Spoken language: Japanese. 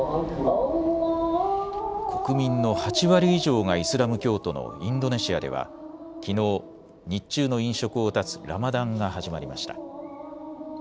国民の８割以上がイスラム教徒のインドネシアではきのう、日中の飲食を断つラマダンが始まりました。